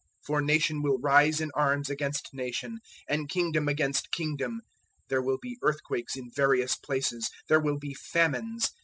013:008 For nation will rise in arms against nation, and kingdom against kingdom. There will be earthquakes in various places; there will be famines.